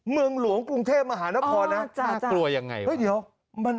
เมืองหลวงกรุงเทพมหานครนะน่ากลัวยังไง